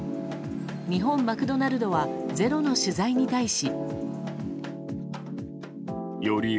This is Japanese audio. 日本マクドナルドは「ｚｅｒｏ」の取材に対し。